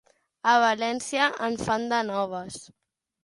A València en fan de noves.